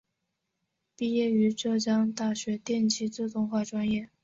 毕业于浙江大学电气自动化专业。